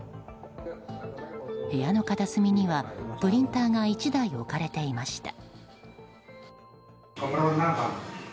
部屋の片隅にはプリンターが１台置かれていました。